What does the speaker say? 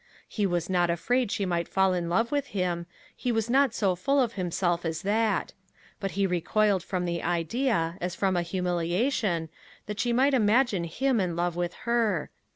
He was not afraid she might fall in love with him; he was not so full of himself as that; but he recoiled from the idea, as from a humiliation, that she might imagine him in love with her.